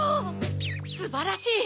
すばらしい！